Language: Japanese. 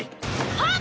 はっ！